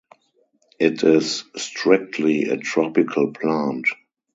It is strictly a tropical plant.